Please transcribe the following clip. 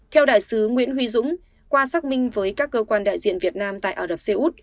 theo đại sứ nguyễn huy dũng qua xác minh với các cơ quan đại diện việt nam tại ả rập xê út